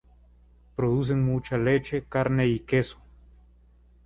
Producen mucha leche, carne y queso.